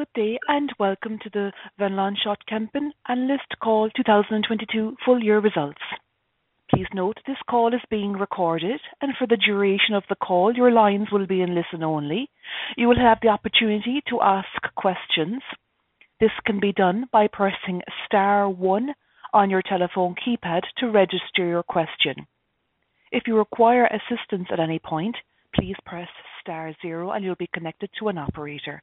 Good day, welcome to the Van Lanschot Kempen analyst call 2022 full year results. Please note this call is being recorded, and for the duration of the call, your lines will be in listen only. You will have the opportunity to ask questions. This can be done by pressing star one on your telephone keypad to register your question. If you require assistance at any point, please press star zero and you'll be connected to an operator.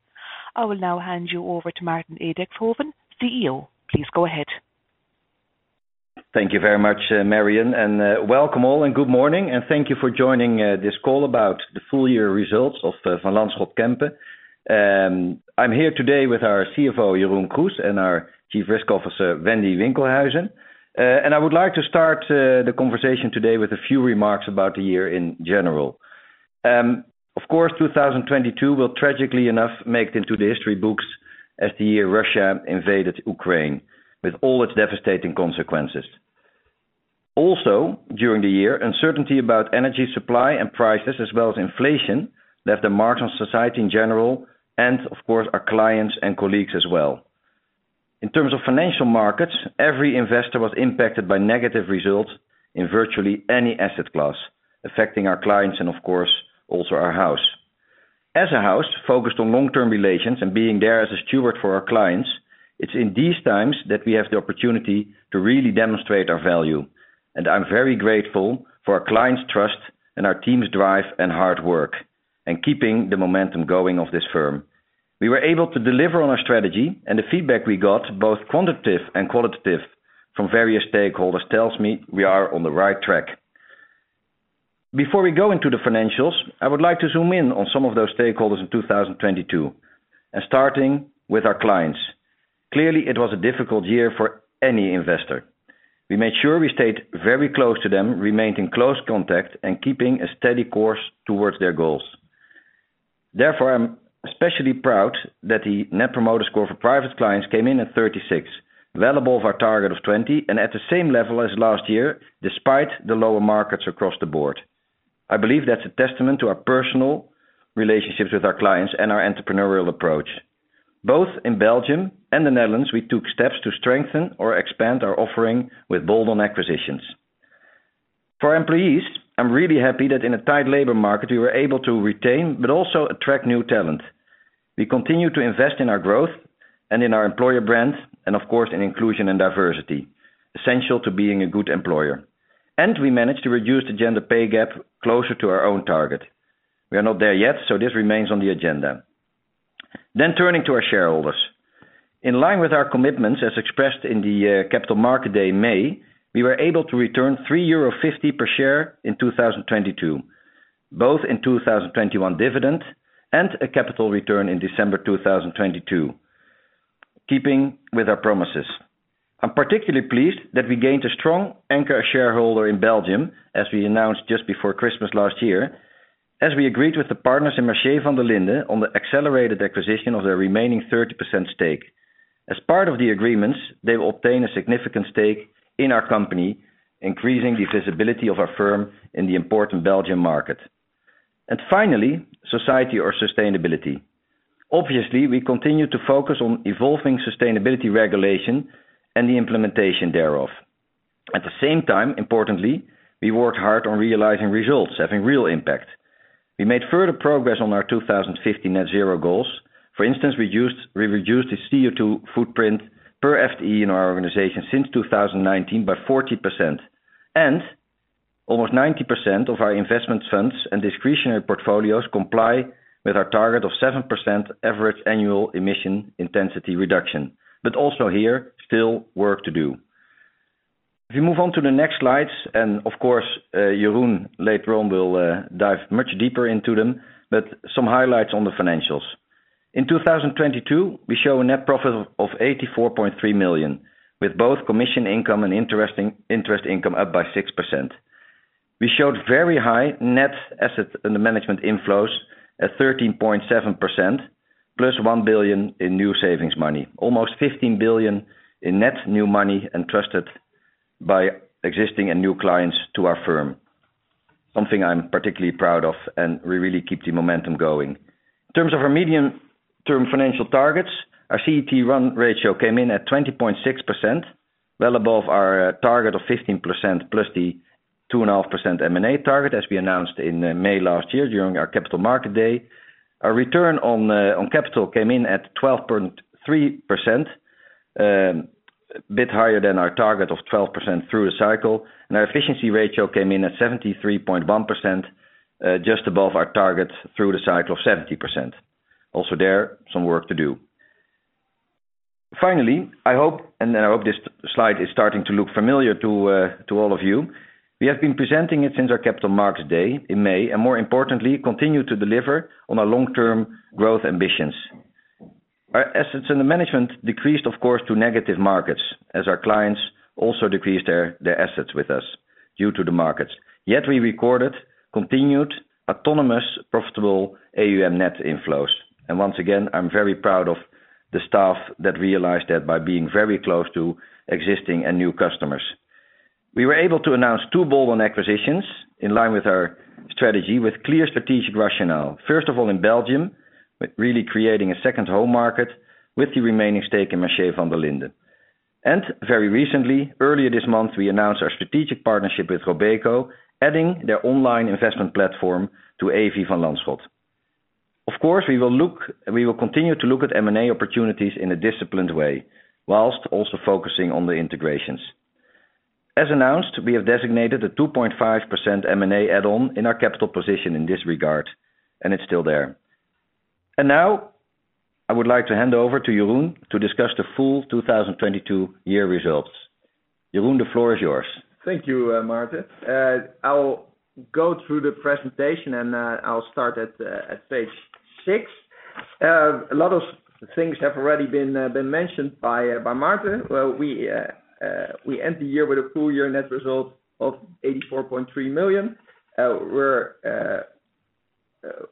I will now hand you over to Maarten Edixhoven, CEO. Please go ahead. Thank you very much, Marian, welcome all and good morning, and thank you for joining this call about the full year results of Van Lanschot Kempen. I'm here today with our CFO, Jeroen Kroes, and our Chief Risk Officer, Wendy Winkelhuijzen. I would like to start the conversation today with a few remarks about the year in general. Of course, 2022 will tragically enough make it into the history books as the year Russia invaded Ukraine with all its devastating consequences. Also, during the year, uncertainty about energy supply and prices, as well as inflation left a mark on society in general and of course, our clients and colleagues as well. In terms of financial markets, every investor was impacted by negative results in virtually any asset class, affecting our clients and of course, also our house. As a house focused on long-term relations and being there as a steward for our clients, it's in these times that we have the opportunity to really demonstrate our value. I'm very grateful for our clients' trust and our team's drive and hard work, and keeping the momentum going of this firm. We were able to deliver on our strategy and the feedback we got, both quantitative and qualitative, from various stakeholders tells me we are on the right track. Before we go into the financials, I would like to zoom in on some of those stakeholders in 2022, and starting with our clients. Clearly, it was a difficult year for any investor. We made sure we stayed very close to them, remained in close contact and keeping a steady course towards their goals. Therefore, I'm especially proud that the Net Promoter Score for private clients came in at 36, well above our target of 20 and at the same level as last year, despite the lower markets across the board. I believe that's a testament to our personal relationships with our clients and our entrepreneurial approach. Both in Belgium and the Netherlands, we took steps to strengthen or expand our offering with bold on acquisitions. For our employees, I'm really happy that in a tight labor market, we were able to retain but also attract new talent. We continue to invest in our growth and in our employer brands, and of course, in inclusion and diversity, essential to being a good employer. We managed to reduce the gender pay gap closer to our own target. We are not there yet, this remains on the agenda. Turning to our shareholders. In line with our commitments as expressed in the Capital Markets Day in May, we were able to return 3.50 euro per share in 2022, both in 2021 dividend and a capital return in December 2022, keeping with our promises. I'm particularly pleased that we gained a strong anchor shareholder in Belgium, as we announced just before Christmas last year, as we agreed with the partners in Mercier Vanderlinden on the accelerated acquisition of their remaining 30% stake. Part of the agreements, they will obtain a significant stake in our company, increasing the visibility of our firm in the important Belgium market. Finally, society or sustainability. Obviously, we continue to focus on evolving sustainability regulation and the implementation thereof. At the same time, importantly, we worked hard on realizing results, having real impact. We made further progress on our 2050 net zero goals. For instance, we reduced the CO2 footprint per FTE in our organization since 2019 by 40%. Almost 90% of our investment funds and discretionary portfolios comply with our target of 7% average annual emission intensity reduction. Also here, still work to do. If you move on to the next slides, of course, Jeroen later on will dive much deeper into them, some highlights on the financials. In 2022, we show a net profit of 84.3 million, with both commission income and interest income up by 6%. We showed very high net assets under management inflows at 13.7%, plus 1 billion in new savings money. Almost 15 billion in net new money entrusted by existing and new clients to our firm. Something I'm particularly proud of. We really keep the momentum going. In terms of our medium-term financial targets, our CET1 ratio came in at 20.6%, well above our target of 15% plus the 2.5% M&A target, as we announced in May 2023 during our Capital Markets Day. Our return on capital came in at 12.3%, a bit higher than our target of 12% through the cycle. Our efficiency ratio came in at 73.1%, just above our target through the cycle of 70%. Also there, some work to do. Finally, I hope this slide is starting to look familiar to all of you. We have been presenting it since our Capital Markets Day in May. More importantly, continue to deliver on our long-term growth ambitions. Our assets under management decreased, of course, to negative markets as our clients also decreased their assets with us due to the markets. Yet we recorded continued autonomous, profitable AUM net inflows. Once again, I'm very proud of the staff that realized that by being very close to existing and new customers. We were able to announce two bold on acquisitions in line with our strategy with clear strategic rationale. First of all, in Belgium, with really creating a second home market with the remaining stake in Mercier Vanderlinden. Very recently, earlier this month, we announced our strategic partnership with Robeco, adding their online investment platform to Evi van Lanschot. Of course, we will continue to look at M&A opportunities in a disciplined way, while also focusing on the integrations. As announced, we have designated a 2.5% M&A add-on in our capital position in this regard, and it's still there. Now, I would like to hand over to Jeroen to discuss the full 2022 year results. Jeroen, the floor is yours. Thank you, Maarten. I'll go through the presentation and I'll start at page six. A lot of things have already been mentioned by Maarten. Well, we end the year with a full year net result of 84.3 million.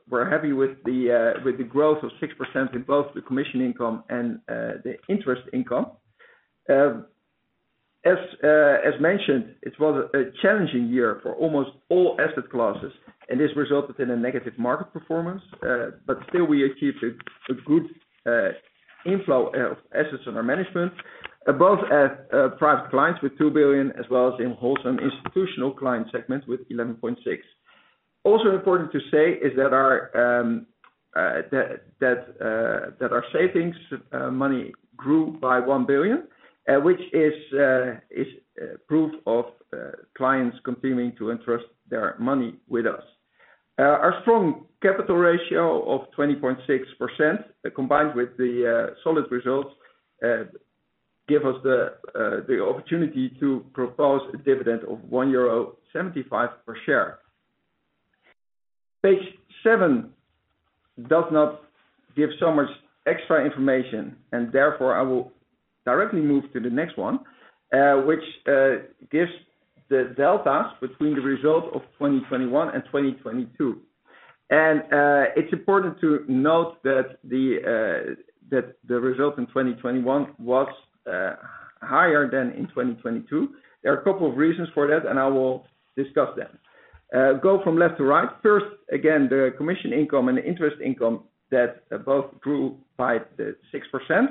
We're happy with the growth of 6% in both the commission income and the interest income. As mentioned, it was a challenging year for almost all asset classes, and this resulted in a negative market performance. Still we achieved a good inflow of assets under management, both at private clients with 2 billion as well as in wholesale institutional client segment with 11.6 billion. Also important to say is that our savings money grew by 1 billion, which is proof of clients continuing to entrust their money with us. Our strong capital ratio of 20.6%, combined with the solid results, give us the opportunity to propose a dividend of 1.75 euro per share. Page seven does not give so much extra information, and therefore I will directly move to the next one, which gives the deltas between the results of 2021 and 2022. It's important to note that the result in 2021 was higher than in 2022. There are a couple of reasons for that, and I will discuss them. Go from left to right. First, again, the commission income and the interest income that both grew by 6%.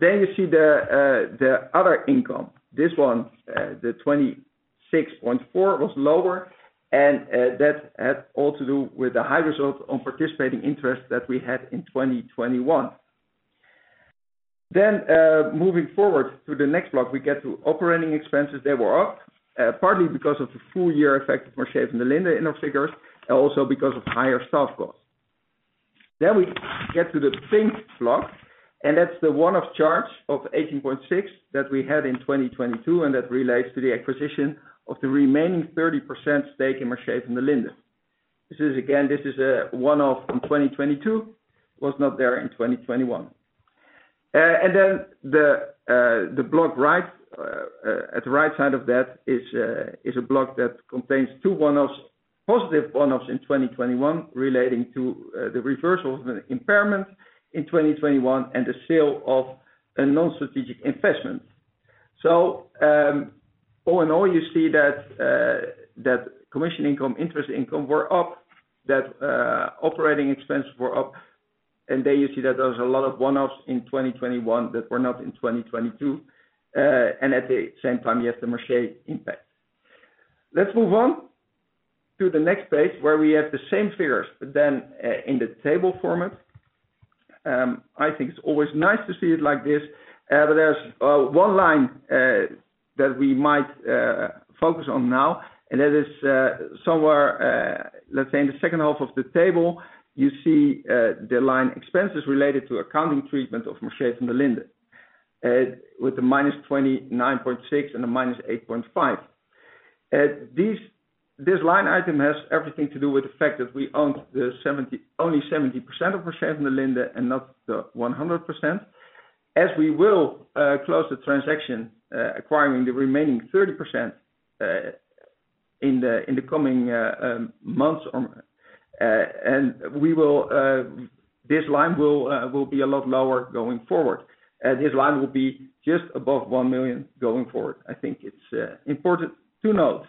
You see the other income. This one, 26.4, was lower, and that had all to do with the high results on participating interest that we had in 2021. Moving forward to the next block, we get to operating expenses that were up partly because of the full year effect of Mercier Vanderlinden in our figures, and also because of higher staff costs. We get to the pink block, and that's the one-off charge of 18.6 that we had in 2022, and that relates to the acquisition of the remaining 30% stake in Mercier Vanderlinden. This is, again, one-off in 2022, was not there in 2021. The block right at the right side of that is a block that contains two one-offs, positive one-offs in 2021 relating to the reversal of an impairment in 2021 and the sale of a non-strategic investment. All in all, you see that commission income, interest income were up, that operating expenses were up. There you see that there was a lot of one-offs in 2021 that were not in 2022. At the same time, you have the Mechelen impact. Let's move on to the next page where we have the same figures, but then in the table format. I think it's always nice to see it like this. There's one line that we might focus on now, and that is somewhere, let's say in the second half of the table, you see the line expenses related to accounting treatment of Mercier Vanderlinden, with the -29.6 and the -8.5. This line item has everything to do with the fact that we own only 70% of Mercier Vanderlinden and not the 100%. As we will close the transaction, acquiring the remaining 30% in the coming months, this line will be a lot lower going forward. This line will be just above 1 million going forward. I think it's important to note.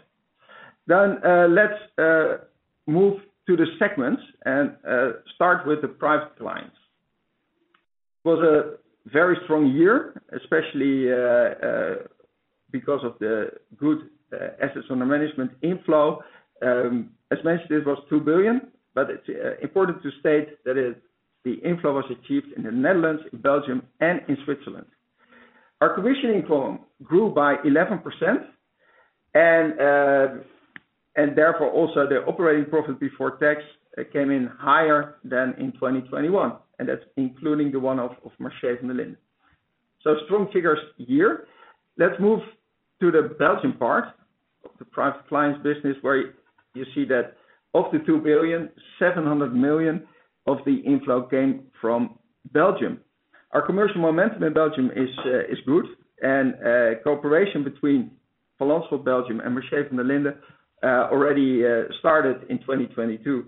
Let's move to the segments and start with the private clients. It was a very strong year, especially because of the good AUM inflow. As mentioned, it was 2 billion, but it's important to state that the inflow was achieved in the Netherlands, in Belgium, and in Switzerland. Our commission income grew by 11% and therefore also the operating profit before tax came in higher than in 2021, and that's including the one-off of Mechelen and Linde. Strong figures year. Let's move to the Belgian part of the private clients business where you see that of the 2 billion, 700 million of the inflow came from Belgium. Our commercial momentum in Belgium is good and cooperation between Van Lanschot Belgium and Mercier Vanderlinden already started in 2022.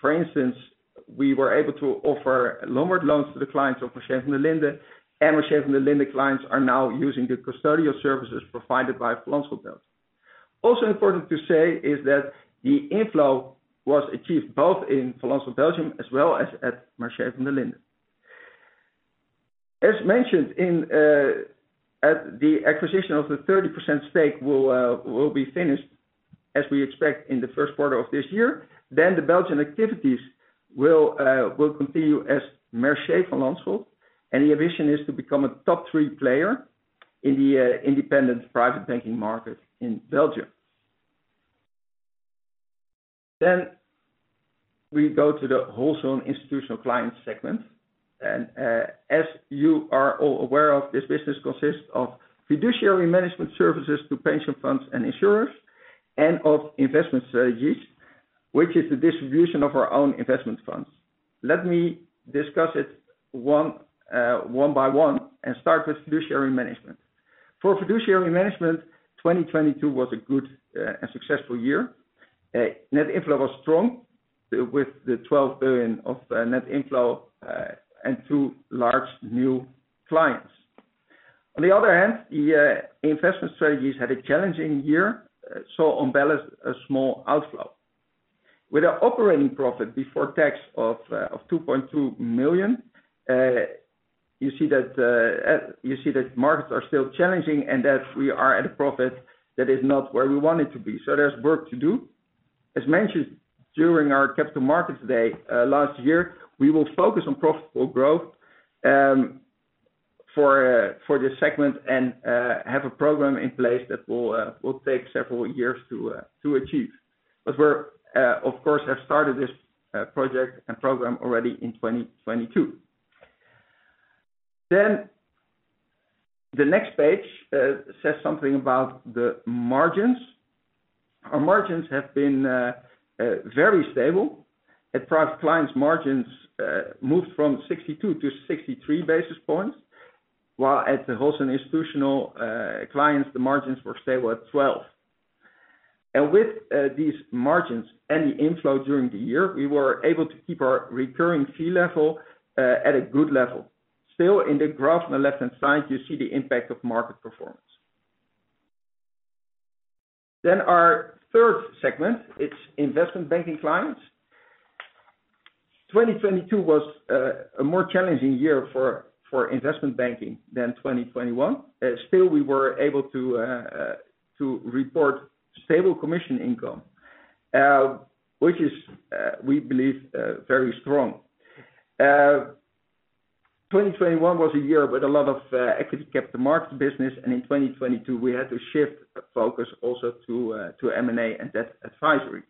For instance, we were able to offer lowered loans to the clients of Mercier Vanderlinden, and Mercier Vanderlinden clients are now using the custodial services provided by Van Lanschot Belgium. Also important to say is that the inflow was achieved both in Van Lanschot Belgium as well as at Mercier Vanderlinden. As mentioned at the acquisition of the 30% stake will be finished as we expect in the first quarter of this year, the Belgian activities will continue as Mercier Van Lanschot, and the ambition is to become a top three player in the independent private banking market in Belgium. We go to the wholesale and institutional clients segment. As you are all aware of, this business consists of fiduciary management services to pension funds and insurers and of investment strategies, which is the distribution of our own investment funds. Let me discuss it one by one and start with fiduciary management. For fiduciary management, 2022 was a good and successful year. Net inflow was strong with the 12 billion of net inflow and two large new clients. On the other hand, the investment strategies had a challenging year, so on balance, a small outflow. With our operating profit before tax of 2.2 million, you see that markets are still challenging, and that we are at a profit that is not where we want it to be. There's work to do. As mentioned during our Capital Markets Day last year, we will focus on profitable growth for this segment and have a program in place that will take several years to achieve. We're of course, have started this project and program already in 2022. The next page says something about the margins. Our margins have been very stable. At private clients margins moved from 62 to 63 basis points, while at the wholesale and institutional clients, the margins were stable at 12. With these margins and the inflow during the year, we were able to keep our recurring fee level at a good level. Still, in the graph on the left-hand side, you see the impact of market performance. Our third segment, it's investment banking clients. 2022 was a more challenging year for investment banking than 2021. Still, we were able to report stable commission income, which is, we believe, very strong. 2021 was a year with a lot of equity capital markets business, and in 2022, we had to shift focus also to M&A and debt advisory.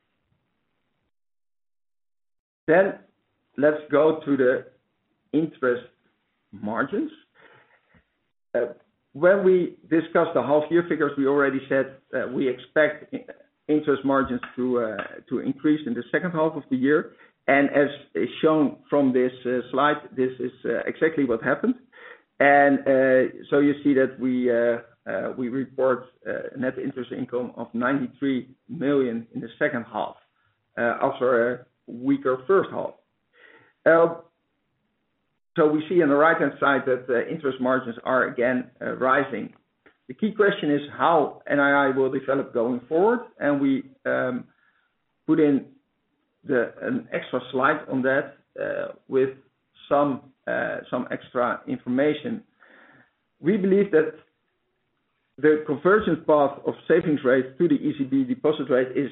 Let's go to the interest margins. When we discussed the half year figures, we already said that we expect interest margins to increase in the second half of the year. As is shown from this slide, this is exactly what happened. You see that we report net interest income of 93 million in the second half, after a weaker first half. We see on the right-hand side that the interest margins are again rising. The key question is how NII will develop going forward, and we put in an extra slide on that with some extra information. We believe that the conversion path of savings rates to the ECB deposit rate is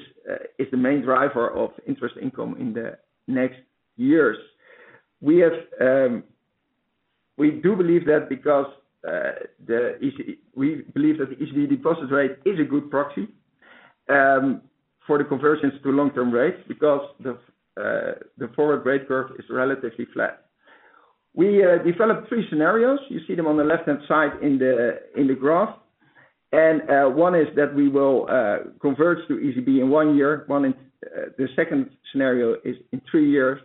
the main driver of interest income in the next years. We do believe that because we believe that the ECB deposit rate is a good proxy for the conversions to long-term rates because the forward rate curve is relatively flat. We developed three scenarios. You see them on the left-hand side in the graph. One is that we will converge to ECB in one year. The second scenario is in three years,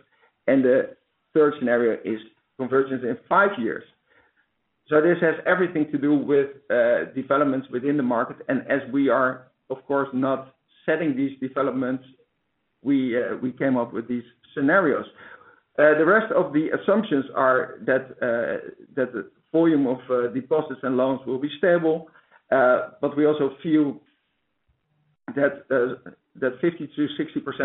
and the third scenario is convergence in five years. This has everything to do with developments within the market, and as we are, of course, not setting these developments, we came up with these scenarios. The rest of the assumptions are that the volume of deposits and loans will be stable, but we also feel that 50%-60%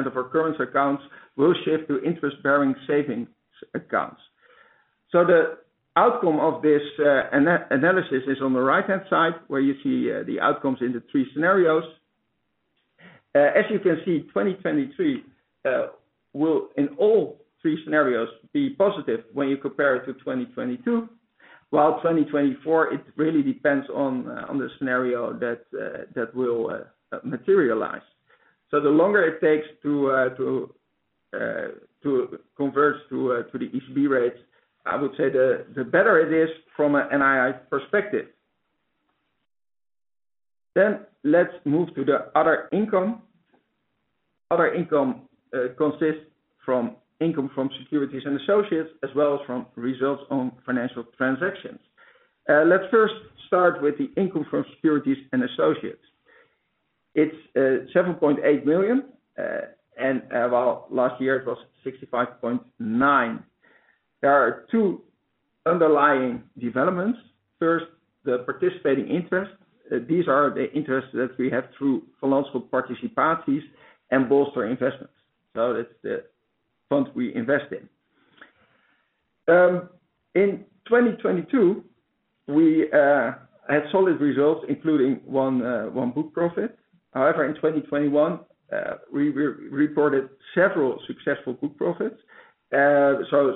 of our current accounts will shift to interest-bearing savings accounts. The outcome of this analysis is on the right-hand side, where you see the outcomes in the three scenarios. As you can see, 2023 will in all three scenarios be positive when you compare it to 2022, while 2024, it really depends on the scenario that will materialize. The longer it takes to converge to the ECB rates, I would say the better it is from an NII perspective. Let's move to the other income. Other income consists from income from securities and associates, as well as from results on financial transactions. Let's first start with the income from securities and associates. It's 7.8 million, and well, last year it was 65.9 million. There are two underlying developments. First, the participating interest. These are the interests that we have through financial Participaties and Bolster Investments. That's the funds we invest in. In 2022, we had solid results, including one book profit. However, in 2021, we re-reported several successful book profits.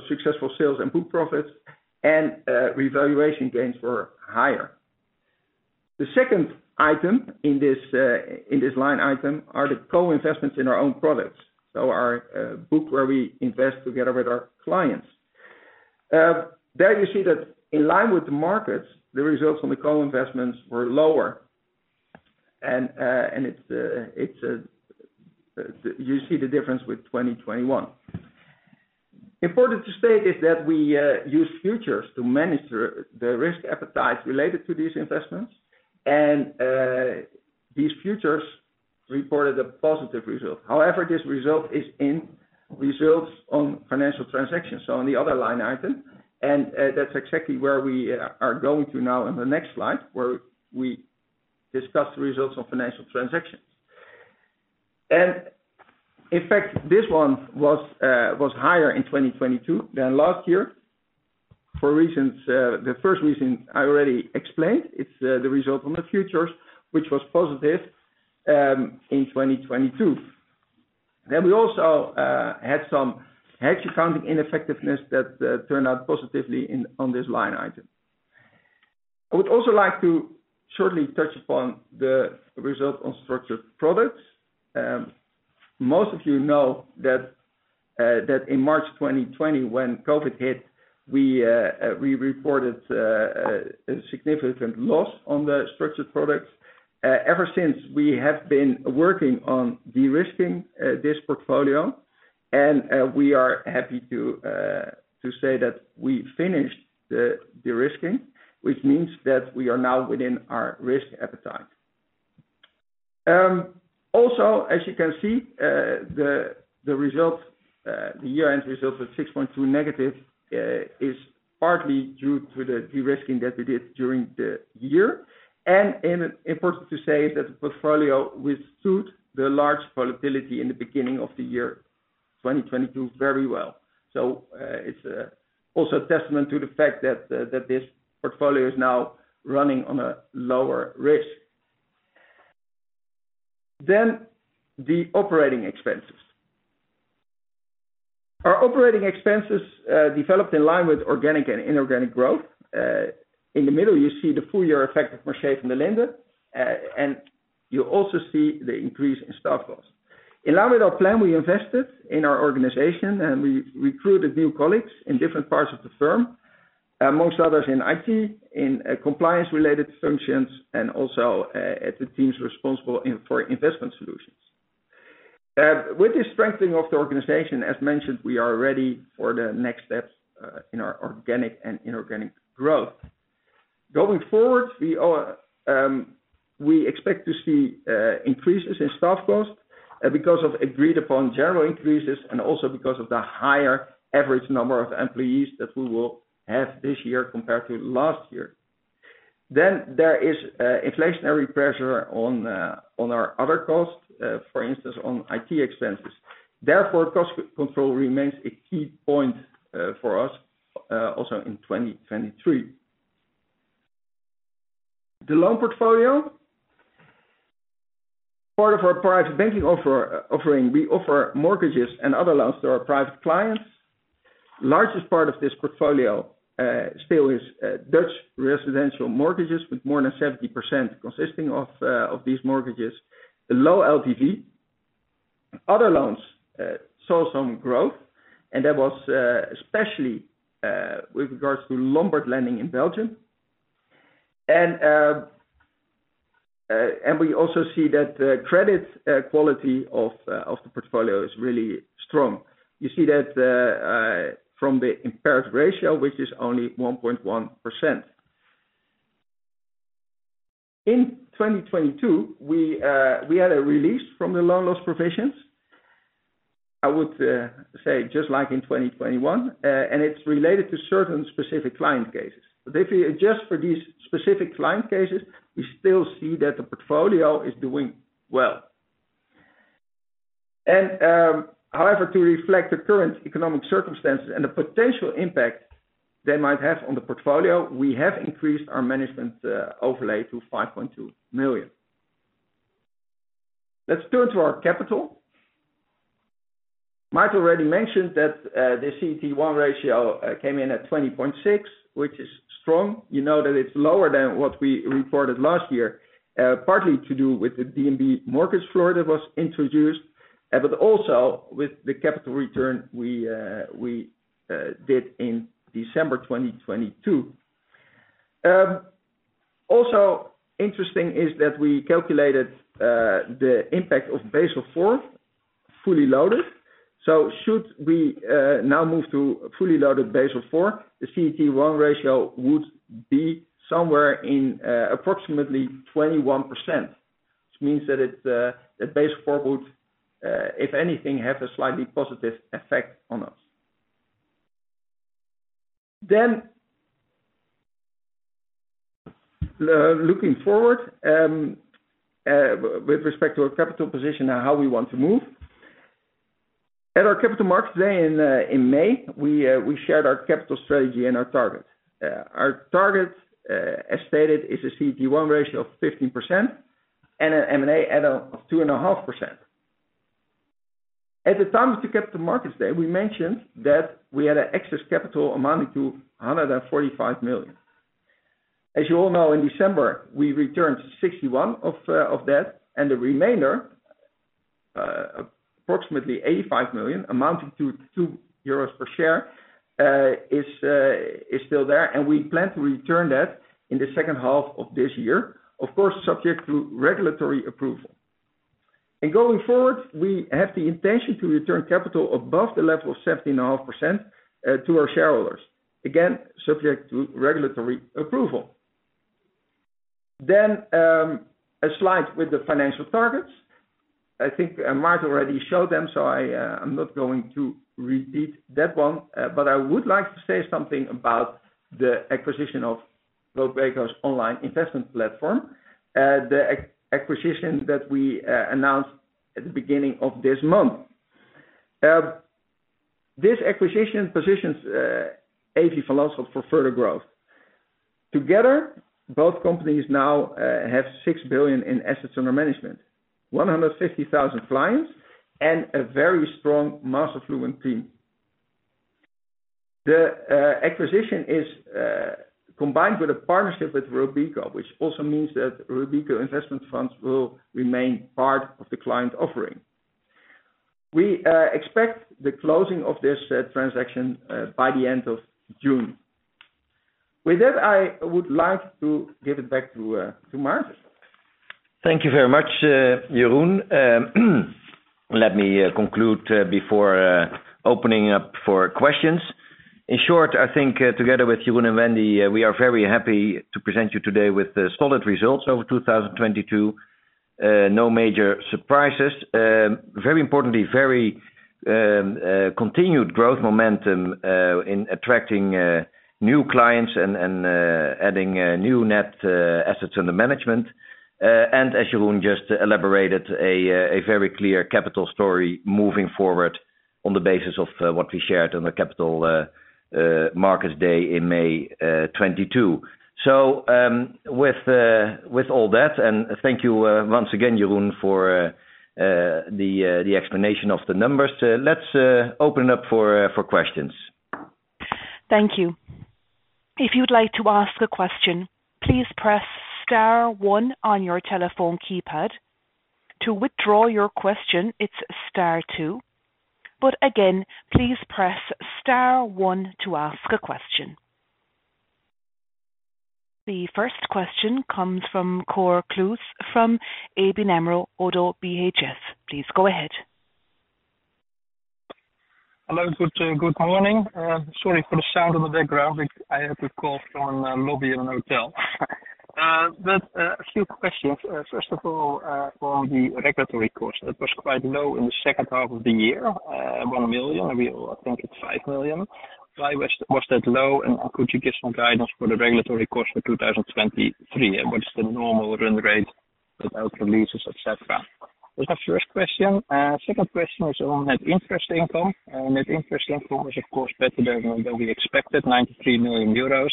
Successful sales and book profits and revaluation gains were higher. The second item in this in this line item are the co-investments in our own products. Our book where we invest together with our clients. There you see that in line with the markets, the results on the co-investments were lower. And it's you see the difference with 2021. Important to state is that we use futures to manage the risk appetite related to these investments. These futures reported a positive result. However, this result is in results on financial transactions, so on the other line item. That's exactly where we are going to now in the next slide, where we discuss the results of financial transactions. In fact, this one was higher in 2022 than last year for reasons. The first reason I already explained, it's the result from the futures, which was positive in 2022. We also had some hedge accounting ineffectiveness that turned out positively in, on this line item. I would also like to shortly touch upon the result on structured products. Most of you know that in March 2020, when COVID hit, we reported a significant loss on the structured products. Ever since we have been working on de-risking this portfolio, we are happy to say that we finished the de-risking, which means that we are now within our risk appetite. Also, as you can see, the results, the year-end results of -6.2% is partly due to the de-risking that we did during the year. Important to say that the portfolio withstood the large volatility in the beginning of the year 2022 very well. It's also a testament to the fact that this portfolio is now running on a lower risk. The operating expenses. Our operating expenses developed in line with organic and inorganic growth. In the middle you see the full year effect of Mercier Vanderlinden. You also see the increase in staff costs. In line with our plan, we invested in our organization, we recruited new colleagues in different parts of the firm. Amongst others in IT, in compliance-related functions, and also at the teams responsible for investment solutions. With the strengthening of the organization, as mentioned, we are ready for the next steps in our organic and inorganic growth. Going forward, we expect to see increases in staff costs because of agreed upon general increases and also because of the higher average number of employees that we will have this year compared to last year. There is inflationary pressure on our other costs, for instance, on IT expenses. Therefore, cost control remains a key point for us also in 2023. The loan portfolio. Part of our private banking offering, we offer mortgages and other loans to our private clients. Largest part of this portfolio still is Dutch residential mortgages with more than 70% consisting of these mortgages. The low LTV. Other loans saw some growth, and that was especially with regards to Lombard lending in Belgium. We also see that the credit quality of the portfolio is really strong. You see that from the impaired ratio, which is only 1.1%. In 2022, we had a release from the loan loss provisions. I would say just like in 2021, and it's related to certain specific client cases. If you adjust for these specific client cases, we still see that the portfolio is doing well. However, to reflect the current economic circumstances and the potential impact they might have on the portfolio, we have increased our management overlay to 5.2 million. Let's turn to our capital. Maarten already mentioned that the CET1 ratio came in at 20.6%, which is strong. You know that it's lower than what we reported last year, partly to do with the DNB mortgage floor that was introduced, but also with the capital return we did in December 2022. Also interesting is that we calculated the impact of Basel IV fully loaded. Should we now move to fully loaded Basel IV, the CET1 ratio would be somewhere in approximately 21%. Which means that it's that Basel IV would, if anything, have a slightly positive effect on us. Looking forward, with respect to our capital position and how we want to move. At our Capital Markets Day in May, we shared our capital strategy and our targets. Our targets, as stated is a CET1 ratio of 15% and an M&A add on of 2.5%. At the time of the Capital Markets Day, we mentioned that we had an excess capital amounting to 145 million. As you all know, in December, we returned 61 million of that, and the remainder, approximately 85 million, amounting to 2 euros per share, is still there. We plan to return that in the second half of this year, of course, subject to regulatory approval. Going forward, we have the intention to return capital above the level of 17.5% to our shareholders. Again, subject to regulatory approval. A slide with the financial targets. I think Maarten already showed them, so I'm not going to repeat that one. But I would like to say something about the acquisition of Robeco's online investment platform. The acquisition that we announced at the beginning of this month. This acquisition positions ABN AMRO for further growth. Together, both companies now have 6 billion in assets under management, 150,000 clients, and a very strong mass-affluent team. The acquisition is combined with a partnership with Robeco, which also means that Robeco investment funds will remain part of the client offering. We expect the closing of this transaction by the end of June. With that, I would like to give it back to Maarten. Thank you very much, Jeroen. Let me conclude before opening up for questions. In short, I think together with Jeroen and Wendy, we are very happy to present you today with the solid results of 2022. No major surprises. Very importantly, very continued growth momentum in attracting new clients and adding new net assets under management. As Jeroen just elaborated, a very clear capital story moving forward on the basis of what we shared on the Capital Markets Day in May 22. With all that, and thank you once again, Jeroen, for the explanation of the numbers. Let's open up for questions. Thank you. If you'd like to ask a question, please press star one on your telephone keypad. To withdraw your question, it's star two. Again, please press star one to ask a question. The first question comes from Cor Kluis from ABN AMRO-ODDO BHF. Please go ahead. Hello. Good morning. Sorry for the sound on the background. I have to call from the lobby of a hotel. But a few questions. First of all, for the regulatory cost. It was quite low in the second half of the year, 1 million. We all think it's 5 million. Why was that low, and could you give some guidance for the regulatory cost for 2023? What is the normal run rate without releases, et cetera? That's my first question. Second question is on net interest income. Net interest income was, of course, better than we expected, 93 million euros.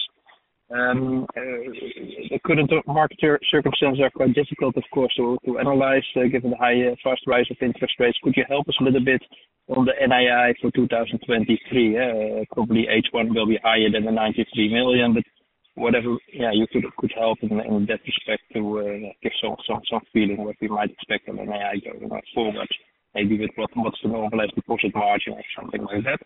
The current market circumstances are quite difficult, of course, to analyze, given the high and fast rise of interest rates. Could you help us a little bit on the NII for 2023? Probably H1 will be higher than the 93 million. Whatever, yeah, you could help in that respect to give some feeling what we might expect on the NII going forward, maybe with what's the normalized deposit margin or something like that.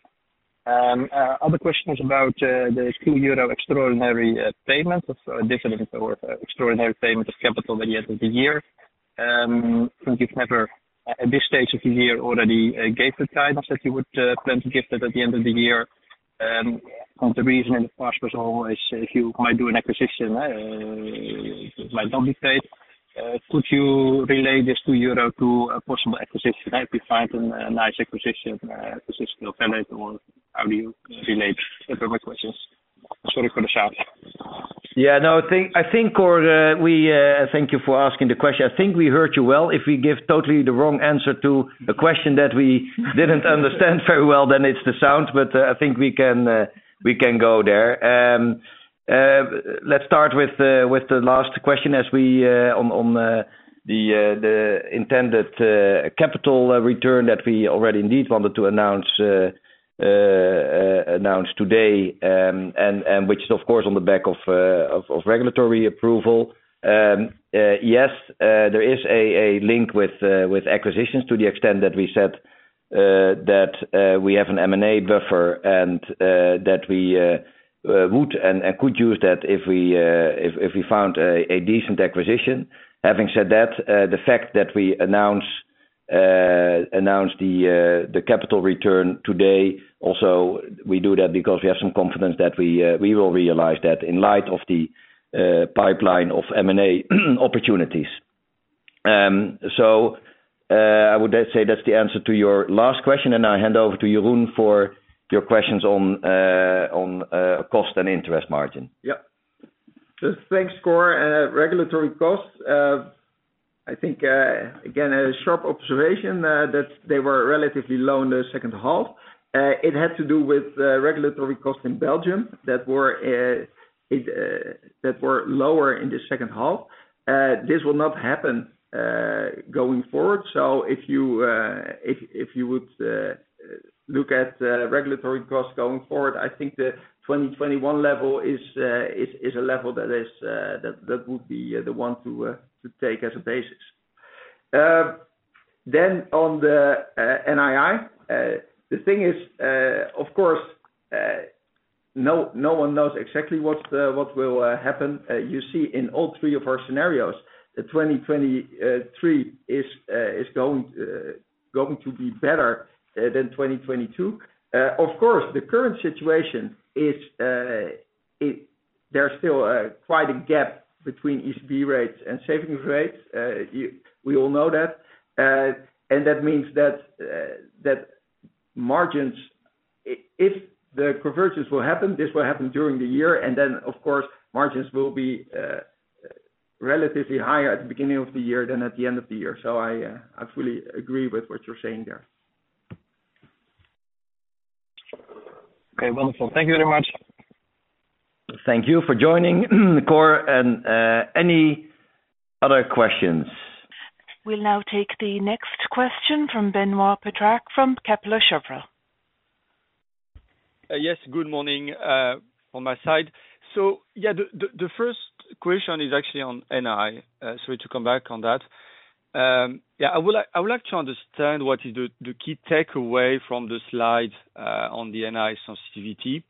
Other question is about the 2 euro extraordinary payment of dividend or extraordinary payment of capital at the end of the year. Since you've never at this stage of the year already gave the guidance that you would plan to give that at the end of the year. The reason in the past was always if you might do an acquisition, it might not be paid. Could you relate this EUR 2 to a possible acquisition? Have you find a nice acquisition of credit or how do you relate? Those are my questions. Sorry for the shout. Yeah. No, I think Cor, we thank you for asking the question. I think we heard you well. If we give totally the wrong answer to a question that we didn't understand very well, then it's the sound. I think we can go there. Let's start with the last question as we on the intended capital return that we already indeed wanted to announce today. Which is of course on the back of regulatory approval. Yes, there is a link with acquisitions to the extent that we said that we have an M&A buffer and that we would and could use that if we found a decent acquisition. Having said that, the fact that we announced the capital return today also we do that because we have some confidence that we will realize that in light of the pipeline of M&A opportunities. I would say that's the answer to your last question, and I'll hand over to Jeroen for your questions on cost and interest margin. Yeah. Thanks, Cor. regulatory costs. I think, again, a sharp observation, that they were relatively low in the second half. It had to do with regulatory costs in Belgium that were lower in the second half. This will not happen going forward. If you, if you would look at regulatory costs going forward, I think the 2021 level is a level that would be the one to take as a basis. On the NII, the thing is, of course, no one knows exactly what will happen. You see in all three of our scenarios, the 2023 is going to be better than 2022. Of course, the current situation is, there's still quite a gap between ECB rates and savings rates. We all know that. That means that margins, if the convergence will happen, this will happen during the year. Then, of course, margins will be relatively higher at the beginning of the year than at the end of the year. I fully agree with what you're saying there. Okay, wonderful. Thank you very much. Thank you for joining, Cor. Any other questions? We'll now take the next question from Benoît Pétrarque from Kepler Cheuvreux. Yes, good morning, on my side. Yeah, the first question is actually on NI. To come back on that. Yeah, I would like to understand what is the key takeaway from the slide on the NI sensitivity.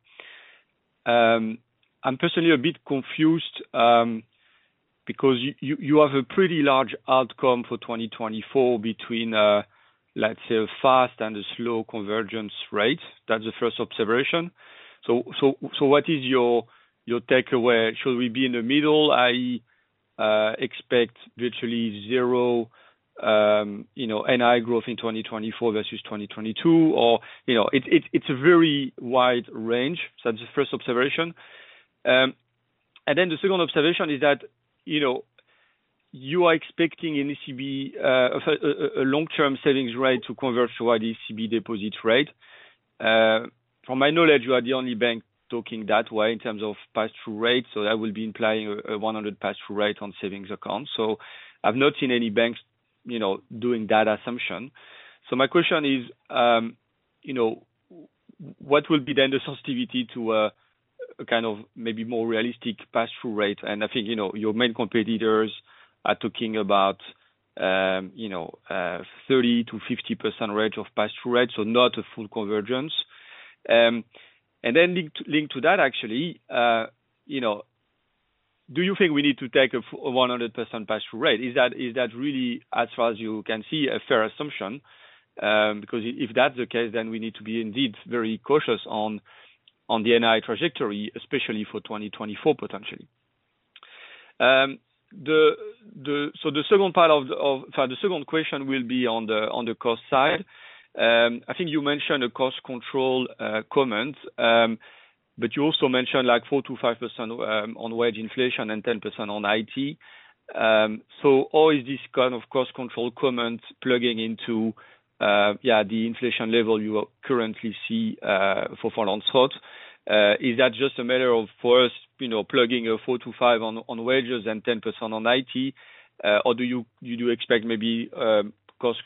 I'm personally a bit confused because you have a pretty large outcome for 2024 between, let's say, a fast and a slow convergence rate. That's the first observation. What is your takeaway? Should we be in the middle? I expect virtually zero, you know, NI growth in 2024 versus 2022 or... You know, it's a very wide range. That's the first observation. Then the second observation is that, you know, you are expecting an ECB long-term savings rate to converge to ECB deposit rate. From my knowledge, you are the only bank talking that way in terms of pass-through rate, so that will be implying a 100 pass-through rate on savings accounts. I've not seen any banks, you know, doing that assumption. My question is, you know, what will be then the sensitivity to a kind of maybe more realistic pass-through rate? I think, you know, your main competitors are talking about, you know, 30%-50% range of pass-through rates, so not a full convergence. Then link to that actually, you know, do you think we need to take a 100% pass-through rate? Is that really, as far as you can see, a fair assumption? because if that's the case, then we need to be indeed very cautious on the NI trajectory, especially for 2024, potentially. The second part of the, sorry, the second question will be on the cost side. I think you mentioned a cost control comment. You also mentioned, like, 4% to 5% on wage inflation and 10% on IT. All is this kind of cost control comment plugging into, yeah, the inflation level you currently see for front on thoughts. Is that just a matter of, first, you know, plugging a 4% to 5% on wages and 10% on IT? Do you do expect maybe cost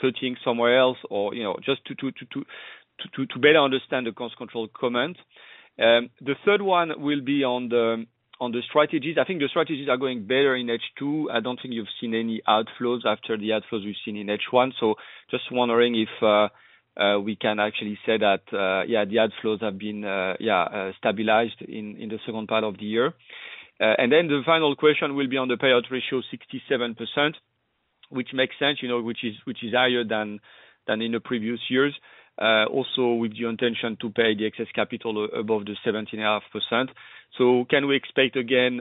cutting somewhere else? You know, just to better understand the cost control comment. The third one will be on the strategies. I think the strategies are going better in H2. I don't think you've seen any outflows after the outflows we've seen in H1. Just wondering if we can actually say that the outflows have been stabilized in the second part of the year. The final question will be on the payout ratio 67%, which makes sense, you know, which is higher than in the previous years. Also with your intention to pay the excess capital above the 17.5%. Can we expect again,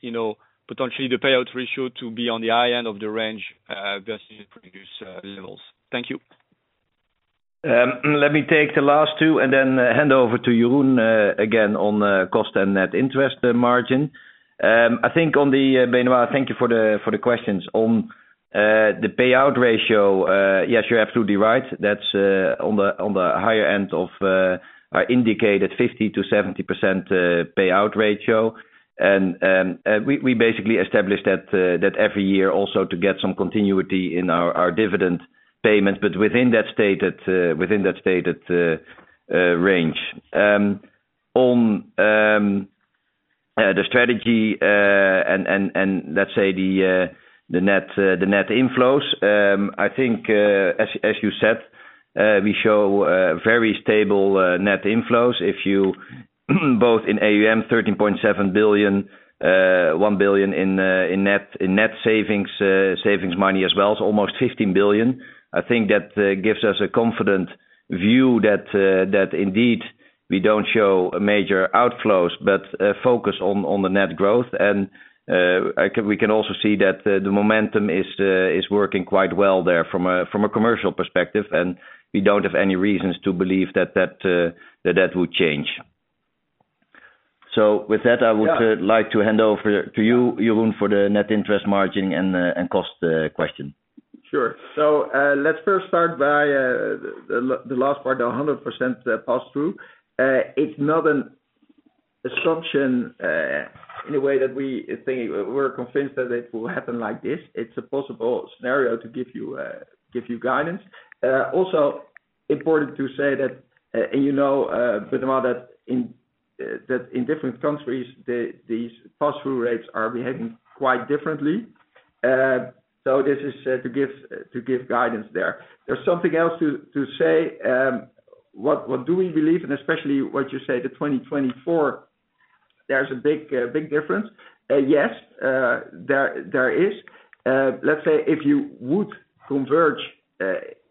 you know, potentially the payout ratio to be on the high end of the range versus previous levels? Thank you. Let me take the last two and then hand over to Jeroen again on cost and net interest margin. I think on the Benoit, thank you for the questions. On the payout ratio, yes, you're absolutely right. That's on the higher end of our indicated 50%-70% payout ratio. And we basically established that every year also to get some continuity in our dividend payments, but within that stated within that stated range. On the strategy, and let's say the net inflows, I think as you said, we show very stable net inflows. Both in AUM 13.7 billion, 1 billion in net savings money as well as almost 15 billion. I think that gives us a confident view that indeed we don't show major outflows but focus on the net growth. We can also see that the momentum is working quite well there from a commercial perspective, and we don't have any reasons to believe that that would change. With that. Yeah. I would like to hand over to you, Jeroen, for the net interest margin and cost question. Sure. Let's first start by the last part, the 100% pass through. It's not an assumption in a way that we think we're convinced that it will happen like this. It's a possible scenario to give you guidance. Also important to say that, and you know, Benoît, that in different countries these pass-through rates are behaving quite differently. This is to give guidance there. There's something else to say, what do we believe, and especially what you say, the 2024, there's a big difference. Yes, there is. Let's say if you would converge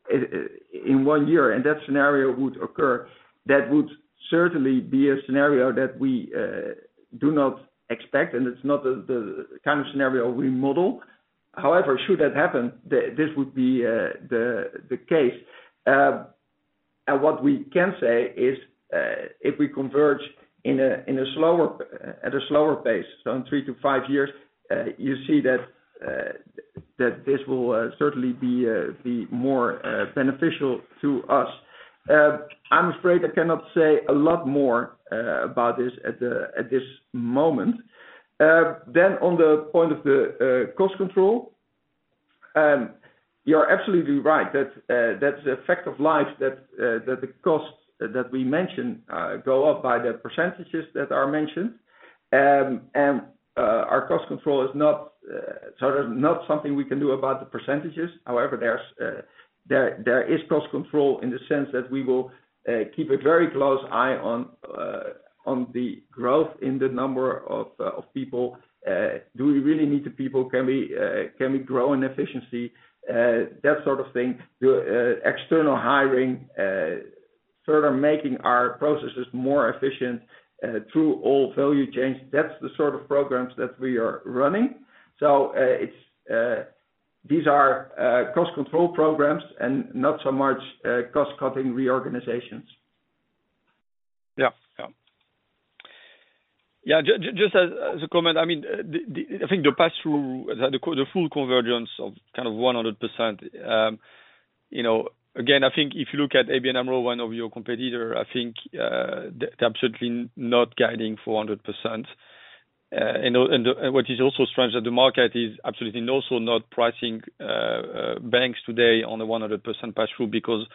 in one year and that scenario would occur, that would certainly be a scenario that we do not expect, and it's not the kind of scenario we model. However, should that happen, this would be the case. What we can say is, if we converge at a slower pace, so in three to five years, you see that this will certainly be more beneficial to us. I'm afraid I cannot say a lot more about this at this moment. On the point of the cost control, you're absolutely right. That's a fact of life that the costs that we mentioned go up by the percentages that are mentioned. Our cost control is not there's not something we can do about the percentages. However, there is cost control in the sense that we will keep a very close eye on the growth in the number of people. Do we really need the people? Can we grow in efficiency? That sort of thing. External hiring, sort of making our processes more efficient, through all value chains. That's the sort of programs that we are running. These are cost control programs and not so much cost-cutting reorganizations. Yeah. Yeah. Yeah. Just as a comment, I mean, I think the pass-through, the full convergence of kind of 100%, you know. Again, I think if you look at ABN AMRO, one of your competitor, I think, they're absolutely not guiding for 100%. What is also strange that the market is absolutely also not pricing banks today on the 100% pass-through because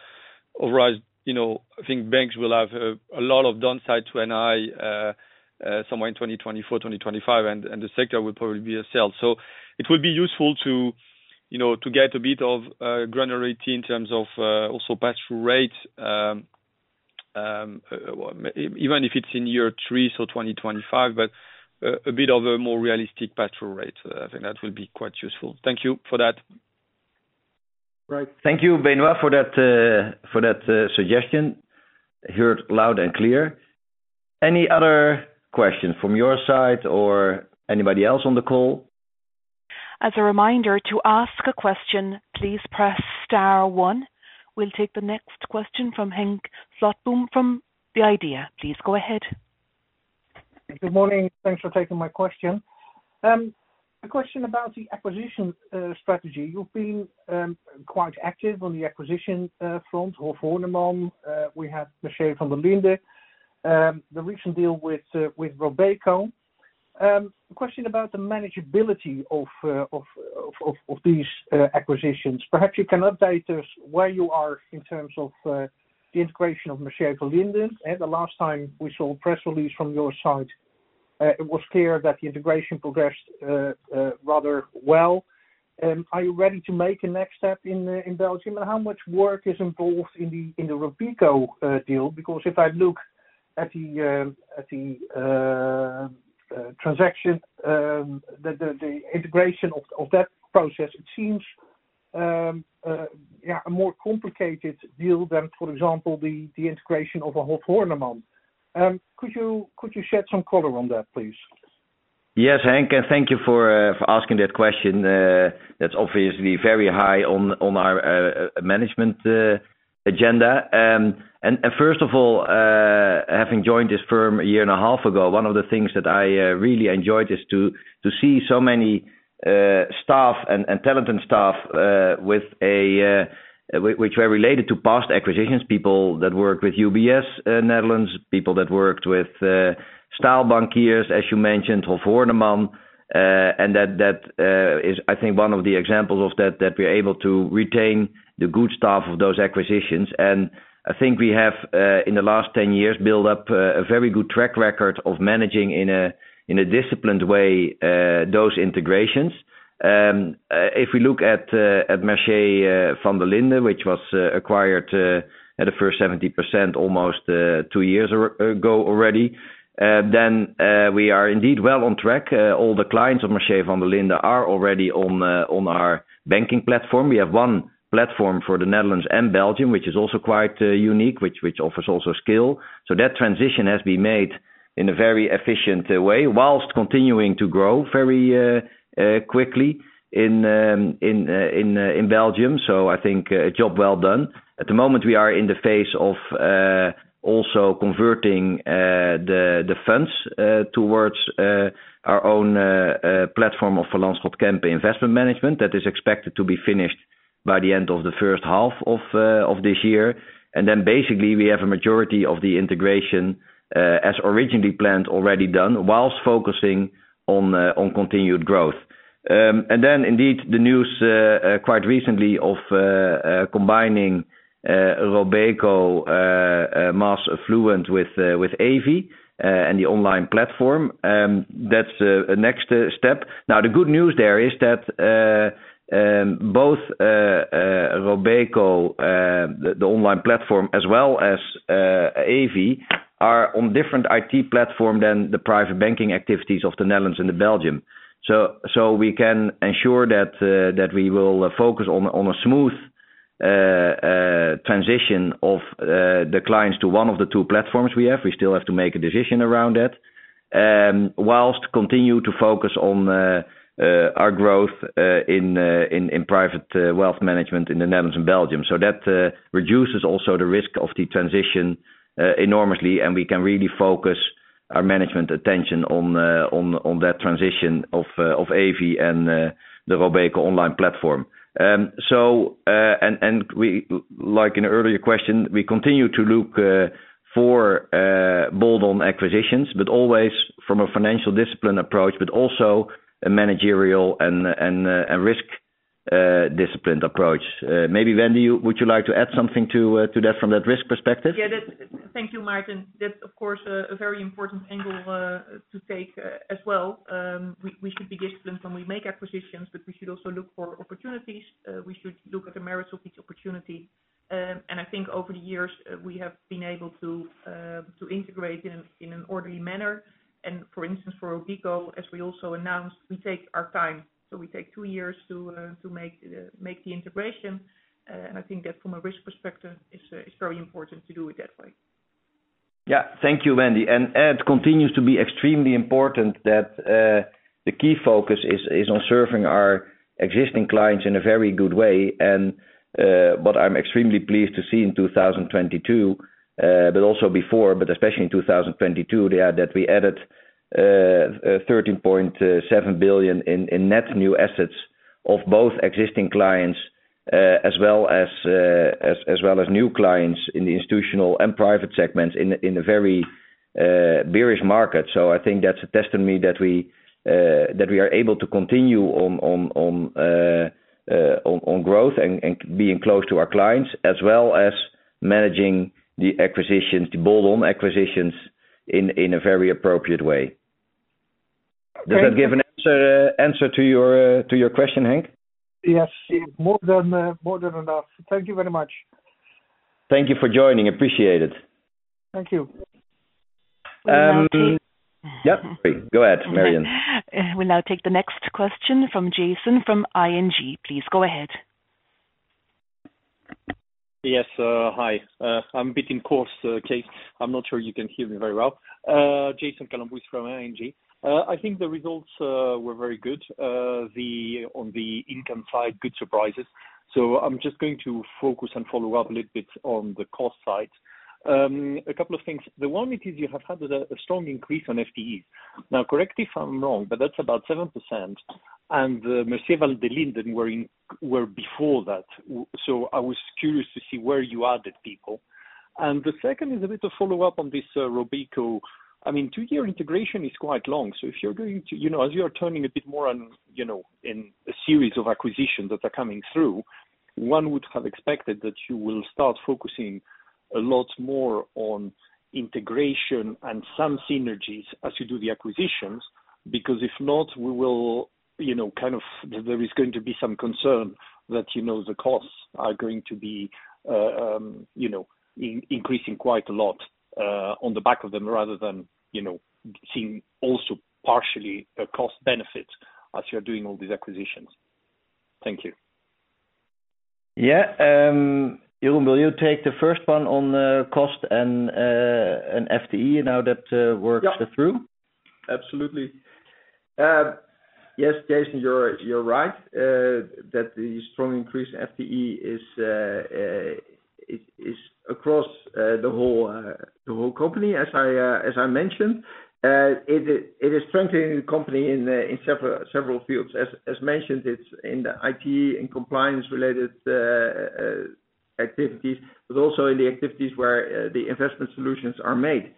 otherwise, you know, I think banks will have a lot of downside to NII somewhere in 2024, 2025, and the sector will probably be a sell. It would be useful to, you know, to get a bit of granularity in terms of also pass-through rate. Well, even if it's in year three, so 2025. A bit of a more realistic pass-through rate. I think that would be quite useful. Thank you for that. Right. Thank you, Benoît, for that, for that, suggestion. Heard loud and clear. Any other questions from your side or anybody else on the call? As a reminder, to ask a question, please press star one. We'll take the next question from Henk Slotboom from The IDEA!. Please go ahead. Good morning. Thanks for taking my question. A question about the acquisition strategy. You've been quite active on the acquisition of Hof Hoorneman. We have Mercier Vanderlinden. The recent deal with Robeco. A question about the manageability of these acquisitions. Perhaps you can update us where you are in terms of the integration of Mercier Vanderlinden. At the last time we saw a press release from your side, it was clear that the integration progressed rather well. Are you ready to make a next step in Belgium? How much work is involved in the Robeco deal? If I look at the transaction, the integration of that process, it seems a more complicated deal than, for example, the integration of Hof Hoorneman. Could you shed some color on that, please? Henk, thank you for asking that question. That's obviously very high on our management agenda. First of all, having joined this firm a year and a half ago, one of the things that I really enjoyed is to see so many staff and talented staff with a which were related to past acquisitions. People that worked with UBS, Netherlands, people that worked with Staal Bankiers, as you mentioned, Hof Hoorneman. That is I think one of the examples of that we're able to retain the good staff of those acquisitions. I think we have in the last 10 years built up a very good track record of managing in a disciplined way, those integrations. If we look at Mercier Vanderlinden, which was acquired at the first 70% almost two years ago already, we are indeed well on track. All the clients of Mercier Vanderlinden are already on our banking platform. We have one platform for the Netherlands and Belgium, which is also quite unique, which offers also scale. That transition has been made in a very efficient way whilst continuing to grow very quickly in Belgium. I think a job well done. At the moment, we are in the phase of also converting the funds towards our own platform of Van Lanschot Kempen Investment Management. That is expected to be finished by the end of the first half of this year. Basically, we have a majority of the integration, as originally planned, already done, whilst focusing on continued growth. Indeed, the news quite recently of combining Robeco mass-affluent with Evi and the online platform. That's a next step. Now, the good news there is that both Robeco, the online platform as well as Evi are on different IT platform than the private banking activities of the Netherlands and Belgium. We can ensure that we will focus on a smooth transition of the clients to one of the two platforms we have. We still have to make a decision around that, whilst continue to focus on our growth in private wealth management in the Netherlands and Belgium. That reduces also the risk of the transition enormously, and we can really focus our management attention on that transition of Evi and the Robeco online platform. And we like in the earlier question, we continue to look for bolt-on acquisitions, but always from a financial discipline approach, but also a managerial and a risk disciplined approach. Maybe, Wendy, would you like to add something to that from that risk perspective? Yeah, that's. Thank you, Maarten. That's of course a very important angle to take as well. We should be disciplined when we make acquisitions, we should also look for opportunities. We should look at the merits of each opportunity. I think over the years, we have been able to integrate in an orderly manner. For instance, for Robeco, as we also announced, we take our time. We take two years to make the integration. I think that from a risk perspective, it's very important to do it that way. Thank you, Wendy. It continues to be extremely important that the key focus is on serving our existing clients in a very good way. What I'm extremely pleased to see in 2022, but also before, but especially in 2022, that we added 13.7 billion in net new assets of both existing clients, as well as new clients in the institutional and private segments in a very bearish market. I think that's a testimony that we that we are able to continue on growth and being close to our clients, as well as managing the acquisitions, the bolt-on acquisitions in a very appropriate way. Thank you. Does that give an answer to your question, Henk? Yes. More than, more than enough. Thank you very much. Thank you for joining. Appreciate it. Thank you. We'll now take-. Yep. Go ahead, Marian. We'll now take the next question from Jason from ING. Please go ahead. Yes. Hi. I'm a bit in course, case. I'm not sure you can hear me very well. Jason Kalamboussis from ING. I think the results were very good. On the income side, good surprises. I'm just going to focus and follow up a little bit on the cost side. A couple of things. The one it is you have had a strong increase on FTE. Correct me if I'm wrong, but that's about 7%. Mercier Vanderlinden were before that. I was curious to see where you added people. The second is a bit of follow-up on this Robeco. I mean, two-year integration is quite long. If you're going to... You know, as you are turning a bit more on, you know, in a series of acquisitions that are coming through, one would have expected that you will start focusing a lot more on integration and some synergies as you do the acquisitions. If not, we will, you know, There is going to be some concern that, you know, the costs are going to be increasing quite a lot on the back of them rather than, you know, seeing also partially a cost benefit as you're doing all these acquisitions. Thank you. Jeroen, will you take the first one on the cost and and FTE and how that works through? Yeah. Absolutely. Yes, Jason, you're right that the strong increase in FTE is across the whole company, as I mentioned. It is strengthening the company in several fields. As mentioned, it's in the IT and compliance related activities, but also in the activities where the investment strategies are made.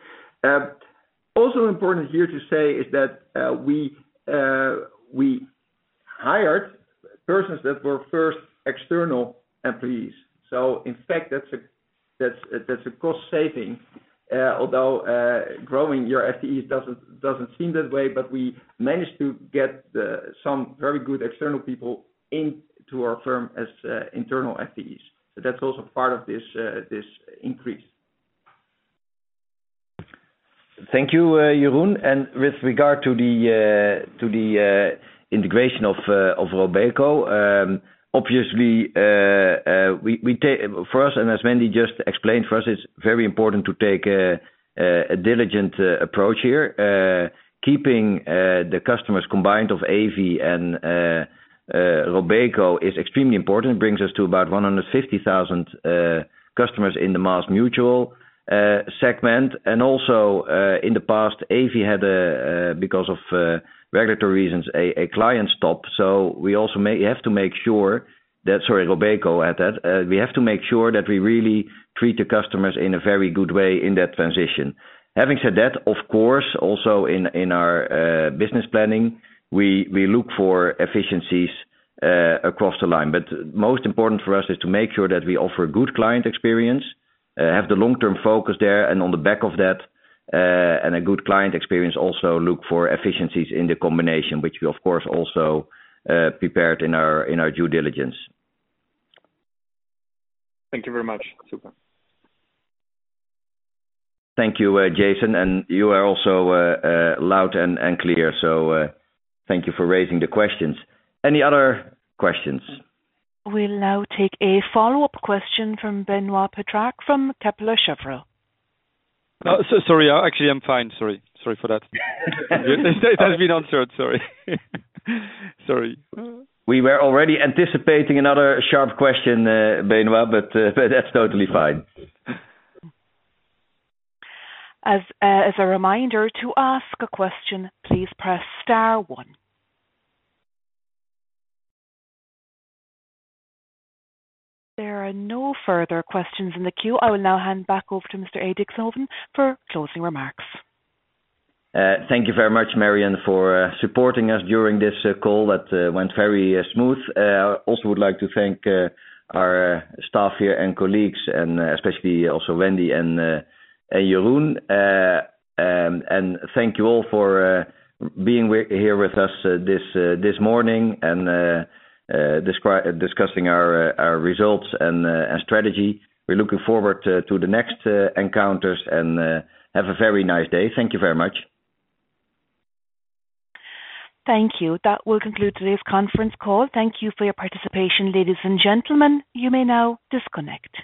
Also important here to say is that we hired persons that were first external employees. In fact, that's a cost saving. Although growing your FTEs doesn't seem that way, but we managed to get some very good external people into our firm as internal FTEs. That's also part of this increase. Thank you, Jeroen. With regard to the integration of Robeco. Obviously, for us, and as Wendy just explained, for us, it's very important to take a diligent approach here. Keeping the customers combined of Evi and Robeco is extremely important. It brings us to about 150,000 customers in the mass-affluent segment. Also, in the past, Evi had a because of regulatory reasons, a client stop. We also have to make sure that... Sorry, Robeco added. We have to make sure that we really treat the customers in a very good way in that transition. Having said that, of course, also in our business planning, we look for efficiencies across the line. Most important for us is to make sure that we offer good client experience, have the long-term focus there and on the back of that, and a good client experience also look for efficiencies in the combination, which we of course also prepared in our due diligence. Thank you very much. Super. Thank you, Jason. You are also, loud and clear. Thank you for raising the questions. Any other questions? We'll now take a follow-up question from Benoît Pétrarque from Kepler Cheuvreux. So sorry. Actually, I'm fine. Sorry for that. It has been answered, sorry. We were already anticipating another sharp question, Benoît. That's totally fine. As, as a reminder, to ask a question, please press star one. There are no further questions in the queue. I will now hand back over to Mr. Maarten Edixhoven for closing remarks. Thank you very much, Marian, for supporting us during this call. That went very smooth. Also would like to thank our staff here and colleagues, and especially also Wendy and Jeroen. Thank you all for being here with us this morning and discussing our results and strategy. We're looking forward to the next encounters, and have a very nice day. Thank you very much. Thank you. That will conclude today's conference call. Thank you for your participation ladies and gentlemen. You may now disconnect.